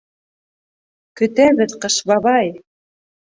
Көтәбеҙ, Ҡыш бабай!